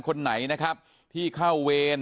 คนไหนนะครับที่เข้าเวร